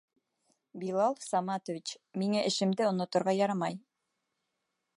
Билал Саматович, миңә эшемде оноторға ярамай.